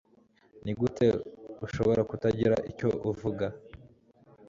Nigute ushobora kutagira icyo uvuga